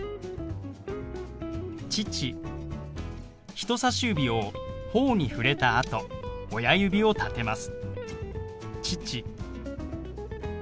人さし指をほおに触れた後今度は小指を立てます。